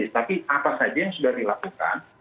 tapi apa saja yang sudah dilakukan